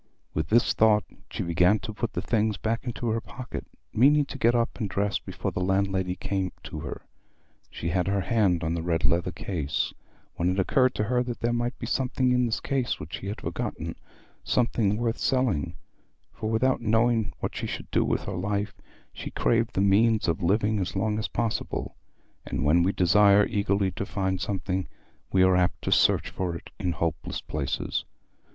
With this thought she began to put the things back into her pocket, meaning to get up and dress before the landlady came to her. She had her hand on the red leather case, when it occurred to her that there might be something in this case which she had forgotten—something worth selling; for without knowing what she should do with her life, she craved the means of living as long as possible; and when we desire eagerly to find something, we are apt to search for it in hopeless places.